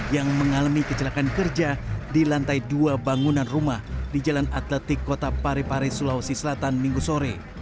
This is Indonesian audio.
yang mengalami kecelakaan kerja di lantai dua bangunan rumah di jalan atletik kota parepare sulawesi selatan minggu sore